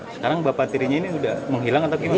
sekarang bapak tirinya ini sudah menghilang atau gimana